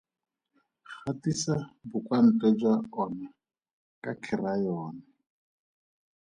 Gatisa bokwantle jwa ona ka kheraeyone.